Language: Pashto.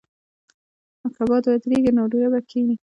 که باد ودریږي، نو دوړه به کښېني.